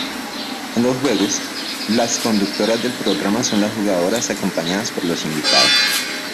En los juegos, las conductora del programa son las jugadoras acompañadas por los invitados.